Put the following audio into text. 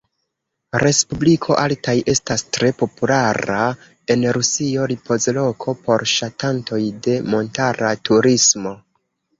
Respubliko Altaj estas tre populara en Rusio ripozloko por ŝatantoj de montara turismo.